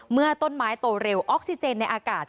เมื่อต้นไม้โตเร็วออกซิเจนในอากาศ